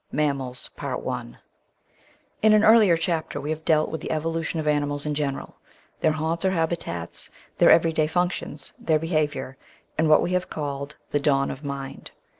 MAMMALS IN an earlier chapter we have dealt with the evolution of animals in general, their haunts or habitats, their everyday functions, their behaviour, and what we have called the dawn of mind.